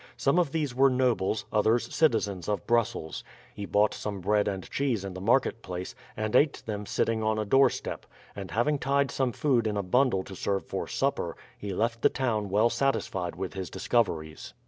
Some of these were nobles, others citizens of Brussels. He bought some bread and cheese in the marketplace, and ate them sitting on a doorstep; and having tied some food in a bundle to serve for supper, he left the town well satisfied with his discoveries.